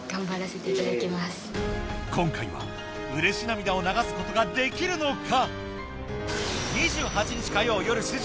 今回はうれし涙を流すことができるのか？